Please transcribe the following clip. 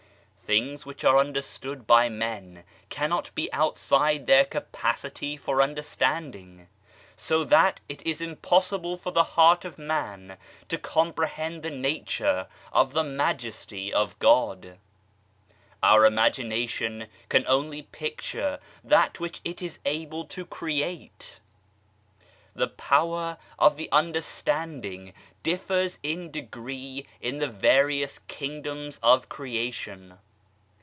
Things which are understood by men cannot be out side their capacity for understanding, so that it is impossible for the heart of man to comprehend the nature of the Majesty of God. Our imagination can only picture that which it is able to create. The power of ihe understanding differs in degree in the various kingdoms of creation.